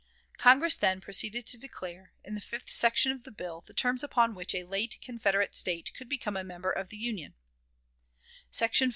Congress then proceeded to declare, in the fifth section of the bill, the terms upon which a late Confederate State could become a member of the Union: "SECTION 5.